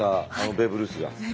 ベーブ・ルースが。